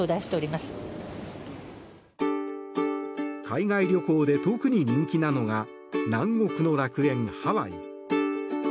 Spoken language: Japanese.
海外旅行で特に人気なのが南国の楽園ハワイ。